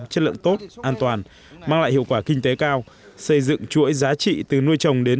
chất lượng tốt an toàn mang lại hiệu quả kinh tế cao xây dựng chuỗi giá trị từ nuôi trồng đến